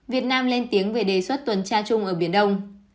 việt nam lên tiếng về đề xuất tuần tra chung ở biển đông